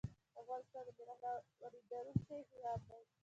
افغانستان د بریښنا واردونکی هیواد دی